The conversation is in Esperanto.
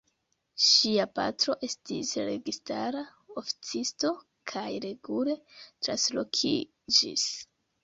Ŝia patro estis registara oficisto kaj regule translokiĝis.